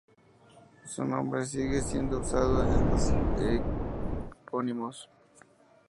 Su nombre sigue siendo usado en los epónimos.